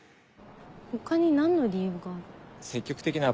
他に何の理由がある？